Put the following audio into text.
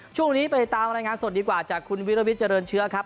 ช่วงนี้ไปตามรายงานสดดีกว่าจากคุณวิรวิทย์เจริญเชื้อครับ